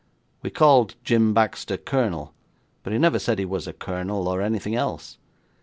We called Jim Baxter Colonel, but he never said he was a colonel or anything else.